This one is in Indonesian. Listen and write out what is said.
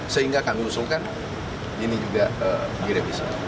sehingga kami usulkan ini juga direvisi